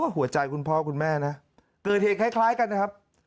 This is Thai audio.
หัวใจคุณพ่อคุณแม่นะเกิดเหตุใคร้กันนะครับ